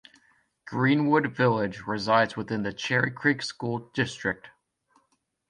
Greenwood Village resides within the Cherry Creek School District.